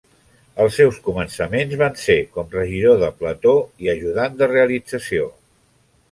Els seus començaments van ser com regidor de plató i ajudant de realització.